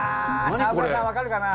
沢村さん分かるかな？